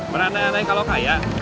berandai andai kalo kaya